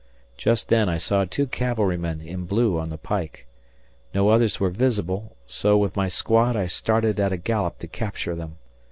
Just then I saw two cavalrymen in blue on the pike. No others were visible, so with my squad I started at a gallop to capture them.